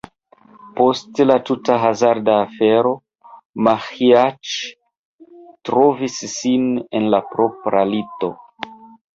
Post la tuta hazarda afero, Maĥiac trovis sin en la propra lito.